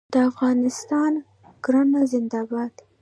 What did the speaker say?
د افغانستان کرنه زنده باد.